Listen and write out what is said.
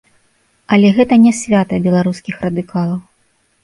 Але гэта не свята беларускіх радыкалаў.